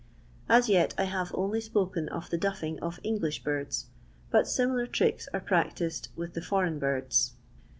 As yet I have only spoken of the " duffing" of English birds, but similar tricks are practised with the foreign birds.